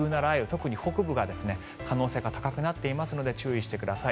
特に北部が可能性が高くなっていますので注意してください。